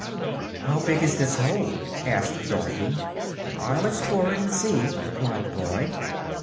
"How big is this hole?" asked Dorothy. "I'll explore it and see," replied the boy.